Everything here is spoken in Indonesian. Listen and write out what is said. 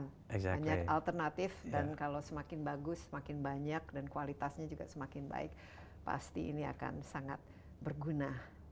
banyak alternatif dan kalau semakin bagus semakin banyak dan kualitasnya juga semakin baik pasti ini akan sangat berguna